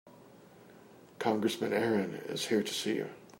Congressman Aaron is here to see you.